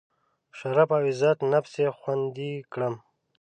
شرف او عزت نفس یې خوندي کړم.